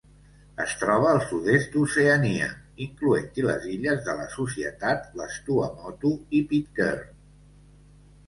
Es troba al sud-est d'Oceania, incloent-hi les Illes de la Societat, les Tuamotu i Pitcairn.